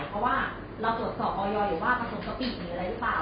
เพราะว่าเราตรวจสอบออยออยกันว่าผสมสปิเฝียอยู่รึเปล่า